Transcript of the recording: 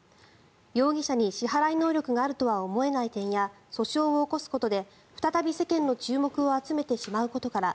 容疑者に支払い能力があるとは思えない点や訴訟を起こすことで再び世間の注目を集めてしまうことから